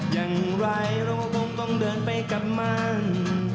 อย่างไรเราคงต้องเดินไปกับมัน